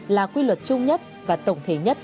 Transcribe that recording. là quy luật chung nhất và tổng thể nhất